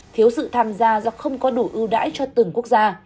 thiếu sự tham gia do không có đủ ưu đãi cho từng quốc gia